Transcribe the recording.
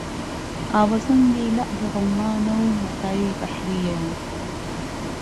ئاوزهنگی لهعلى ڕوممانه و مهتای بهحرييه